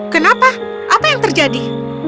kenapa apa yang terjadi